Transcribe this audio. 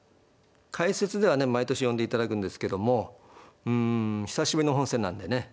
解説ではね毎年呼んでいただくんですけどもうん久しぶりの本戦なんでね